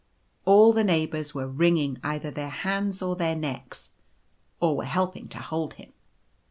All the neighbours were wringing either their hands or their necks, or were helping to hold him.